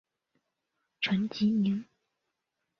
陈吉宁。